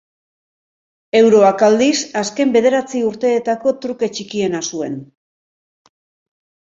Euroak, aldiz, azken bederatzi urteetako truke txikiena zuen.